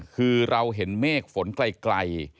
คือเราเห็นเมฆฝนไกล